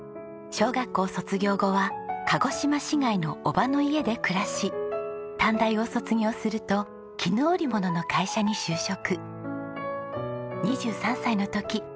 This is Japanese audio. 小学校卒業後は鹿児島市街の叔母の家で暮らし短大を卒業すると絹織物の会社に就職。